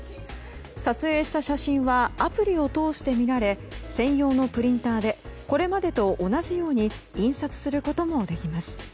撮影した写真はアプリを通して見られ専用のプリンターでこれまでと同じように印刷することもできます。